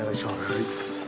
はい。